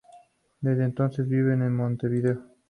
Desde entonces vive en Montevideo.